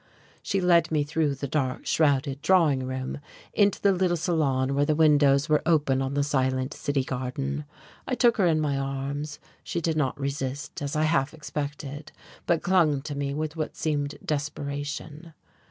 She led me through the dark, shrouded drawing room into the little salon where the windows were open on the silent city garden. I took her in my arms; she did not resist, as I half expected, but clung to me with what seemed desperation.